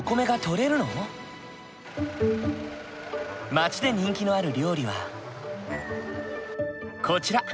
町で人気のある料理はこちら。